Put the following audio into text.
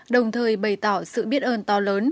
đồng thời bày tỏ sự biết ơn to lớn